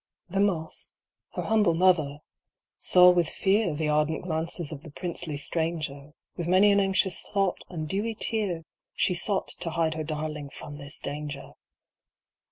The Moss (her humble mother) saw with fear The ardent glances of the princely stranger; With many an anxious thought and dewy tear She sought to hide her darling from this danger.